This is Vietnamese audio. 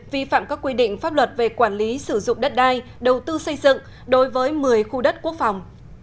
vi phạm các quy định pháp luật về quản lý sử dụng đất đai đầu tư xây dựng đối với một mươi khu đất quốc phòng